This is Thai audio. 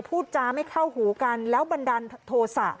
พูดจาไม่เข้าหูกันแล้วบันดาลโทษะ